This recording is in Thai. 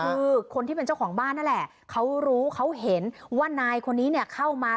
คือคนที่เป็นเจ้าของบ้านนั่นแหละเขารู้เขาเห็นว่านายคนนี้เนี่ยเข้ามา